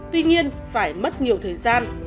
tuy nhiên phải mất nhiều thời gian